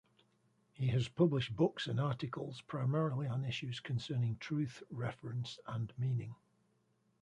He has published books and articles primarily on issues concerning truth, reference, and meaning.